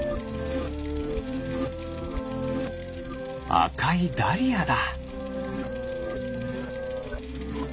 あかいダリアだ。